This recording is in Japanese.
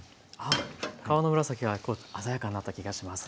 皮の紫が鮮やかになった気がします。